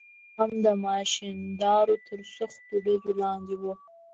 هغه هم د ماشیندارو تر سختو ډزو لاندې و.